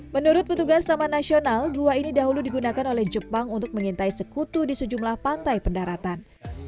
menurut petugas taman nasional goa ini dahulu digunakan oleh jepang untuk mengintai sekutu di sejumlah pantai pendaratan